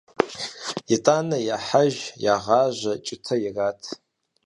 ИтӀанэ яхьэж, ягъажьэ, кӀытэ ират.